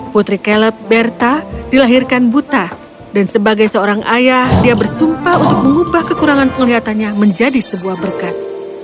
putri caleb berta dilahirkan buta dan sebagai seorang ayah dia bersumpah untuk mengubah kekurangan penglihatannya menjadi sebuah berkat